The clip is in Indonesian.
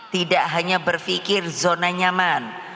tidak hanya berpikir zona nyaman